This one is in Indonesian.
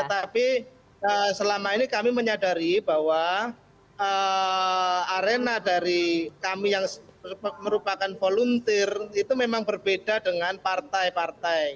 tetapi selama ini kami menyadari bahwa arena dari kami yang merupakan volunteer itu memang berbeda dengan partai partai